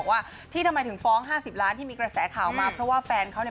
จะไปทงไปเที่ยวอะไรก็คงไม่ทำแน่นอนนะคะ